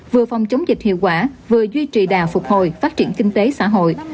vừa phòng chống dịch hiệu quả vừa duy trì đà phục hồi phát triển kinh tế xã hội